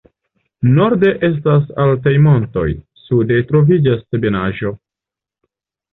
Norde estas altaj montoj, sude troviĝas ebenaĵo.